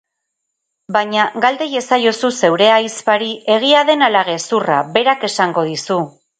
Baina galde iezaiozu zeure ahizpari egia den ala gezurra, berak esango dizu.